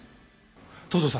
東堂さん